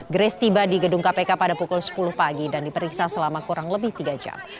grace tiba di gedung kpk pada pukul sepuluh pagi dan diperiksa selama kurang lebih tiga jam